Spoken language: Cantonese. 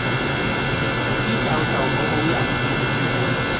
啲教授好好人